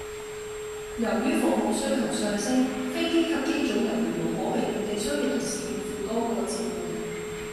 由於服務需求上升，飛機及機組人員無可避免地需要同時應付多個召喚